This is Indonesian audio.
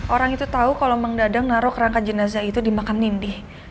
orang itu tau kalau mang dadang naruh kerangka jenazah itu di makam nindi